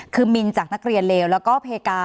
คือมินจากนักเรียนเลวแล้วก็เพกา